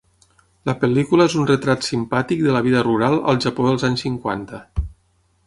La pel·lícula és un retrat simpàtic de la vida rural al Japó dels anys cinquanta.